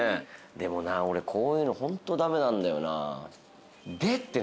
でもな俺こういうのホント駄目なんだよな。